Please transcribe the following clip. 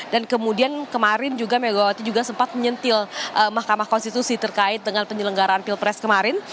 kemudian kemarin juga megawati juga sempat menyentil mahkamah konstitusi terkait dengan penyelenggaraan pilpres kemarin